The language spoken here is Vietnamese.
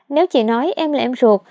nếu chị nói em là em ruột